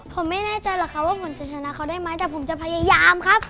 ผมไม่แน่ใจหรอกครับว่าผมจะชนะเขาได้ไหมแต่ผมจะพยายามครับ